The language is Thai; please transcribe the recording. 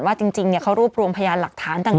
จริงเขารวบรวมพยานหลักฐานต่าง